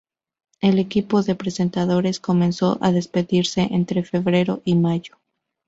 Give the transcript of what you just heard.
El equipo de presentadores comenzó a despedirse entre febrero y mayo.